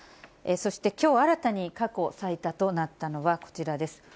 そして、きょう新たに過去最多となったのはこちらです。